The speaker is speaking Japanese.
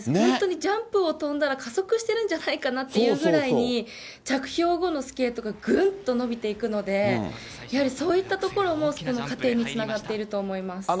本当にジャンプを跳んだら加速してるんじゃないかなっていうぐらいに、着氷後のスケートがぐんと伸びていくので、やはりそういったところも、この加点につながっていると思います。